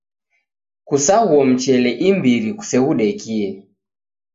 Kusaghuo mchele imbiri kuseghudekie